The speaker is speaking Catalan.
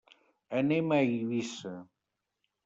Anem a Eivissa.